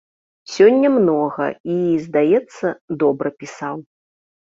Сёння многа і, здаецца, добра пісаў.